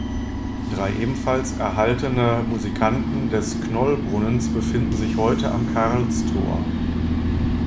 Drei ebenfalls erhaltene Musikanten des Knoll-Brunnens befinden sich heute am Karlstor.